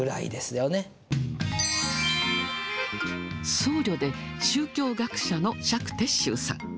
僧侶で宗教学者の釈徹宗さん。